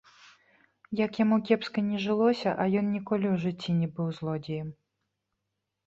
Як яму кепска ні жылося, а ён ніколі ў жыцці не быў злодзеем.